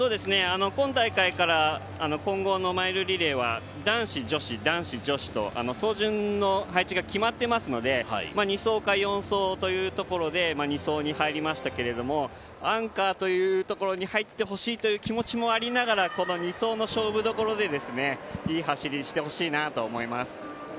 今大会から、混合のマイルリレーは男子、女子、男子、女子と走順の配置が決まってますので２走か４走かというところで２走に入りましたけどアンカーというところに入ってほしいという気持ちもありながらこの２走の勝負どころでいい走りをしてほしいなと思います。